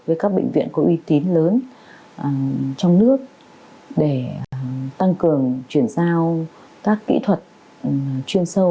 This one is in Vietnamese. với các bệnh viện có uy tín lớn trong nước để tăng cường chuyển giao các kỹ thuật chuyên sâu